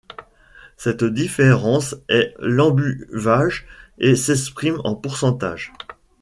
Cette différence est l'embuvage et s'exprime en %.